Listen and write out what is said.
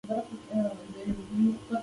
پۀ خپله مرضۍ به کله هره ورځ راتۀ